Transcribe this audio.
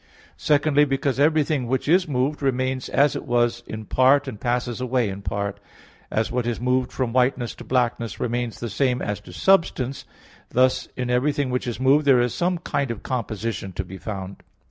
Secondly, because everything which is moved, remains as it was in part, and passes away in part; as what is moved from whiteness to blackness, remains the same as to substance; thus in everything which is moved, there is some kind of composition to be found.